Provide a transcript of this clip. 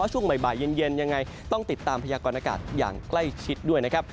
ช่วงบ่ายเย็นยังไงต้องติดตามพยากรณากาศอย่างใกล้ชิดด้วยนะครับ